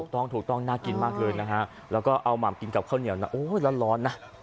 ถูกต้องถูกต้องน่ากินมากเลยนะฮะแล้วก็เอาหม่ำกินกับข้าวเหนียวนะโอ้ยร้อนนะ